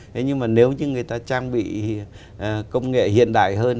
thế nhưng mà nếu như người ta trang bị công nghệ hiện đại hơn